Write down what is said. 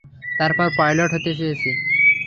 তারপর পাইলট হতে চেয়েছি।